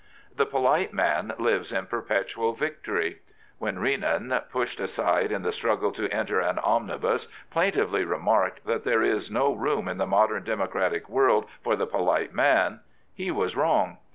The polite man lives in perpetual victory. When Renan, pushed aside in the struggle to enter an omnibus, plaintively remarked that " there is no room in the modern democratic world for the polite man," he was wrong.